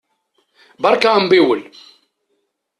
Beṛka ambiwel!